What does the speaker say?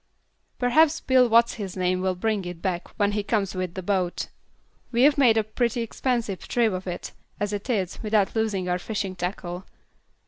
"Perhaps Bill What's his name will bring it back when he comes with the boat. We've made a pretty expensive trip of it, as it is, without losing our fishing tackle.